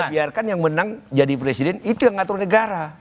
biarkan yang menang jadi presiden itu yang ngatur negara